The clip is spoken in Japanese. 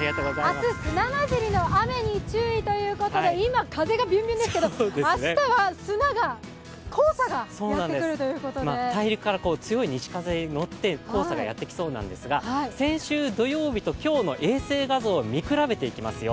明日砂まじりの雨に注意ということで、今、風がビュンビュンですけど、明日は黄砂がやってくるということで大陸から強い西風に乗って黄砂がやってきそうなんですが先週土曜日と今日の衛星画像を見比べていきますよ。